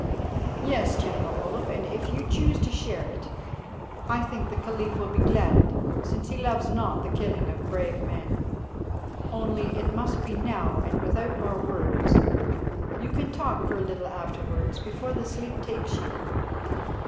"Yes, General Olaf, and if you choose to share it I think the Caliph will be glad, since he loves not the killing of brave men. Only it must be now and without more words. You can talk for a little afterwards before the sleep takes you."